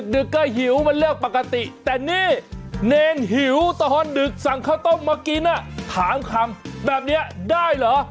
ดึกก็หิวมันเลือกปกติแต่นี่เนรหิวตอนดึกสั่งข้าวต้มมากินถามคำแบบนี้ได้เหรอ